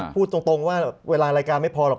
พูดตรงว่าเวลารายการไม่พอหรอก